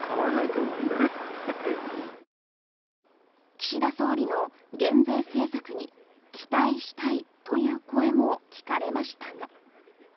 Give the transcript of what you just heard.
岸田総理の減税政策に期待したいという声も聞かれましたが。